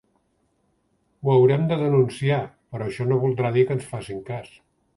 Ho haurem de denunciar, però això no voldrà dir que ens facin cas.